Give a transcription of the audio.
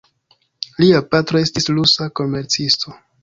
Lia patro estis rusa komercisto.